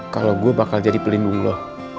kalau gue bakal jadi pelindung lo